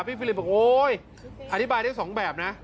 พี่ฟิลริปบอกว่าอธิบายได้๒แบบนะ